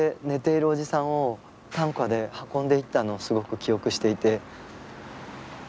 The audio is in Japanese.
寝ているおじさんを担架で運んでいったのをすごく記憶していて。